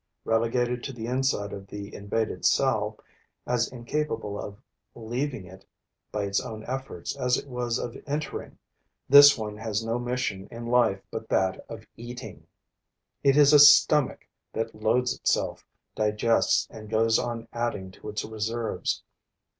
Relegated to the inside of the invaded cell, as incapable of leaving it by its own efforts as it was of entering, this one has no mission in life but that of eating. It is a stomach that loads itself, digests and goes on adding to its reserves.